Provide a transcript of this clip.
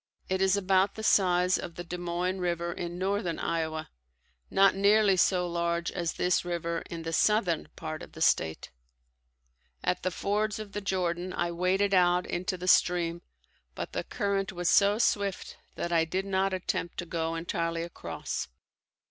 It is about the size of the Des Moines river in northern Iowa, not nearly so large as this river in the southern part of the state. At the fords of the Jordan I waded out into the stream but the current was so swift that I did not attempt to go entirely across.